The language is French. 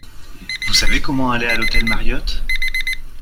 Vous savez comment aller à l'hôtel Mariott ?